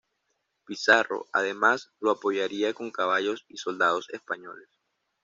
Pizarro, además, lo apoyaría con caballos y soldados españoles.